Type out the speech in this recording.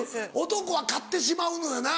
男は買ってしまうのよな。